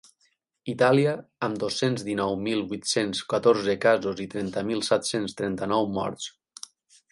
Itàlia, amb dos-cents dinou mil vuit-cents catorze casos i trenta mil set-cents trenta-nou morts.